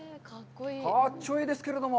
かっちょいいですけれども。